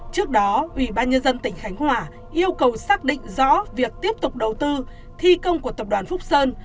trước đó ủy ban nhân dân tỉnh khánh hòa yêu cầu xác định rõ việc tiếp tục đầu tư thi công của tập đoàn phúc sơn